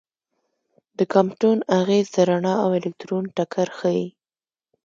د کامپټون اغېز د رڼا او الکترون ټکر ښيي.